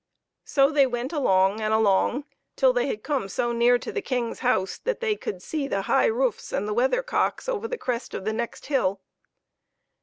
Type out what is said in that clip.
So they went along and along till they had come so near to the King's house that they could see the high roofs and the weathercocks over the crest of the next hill.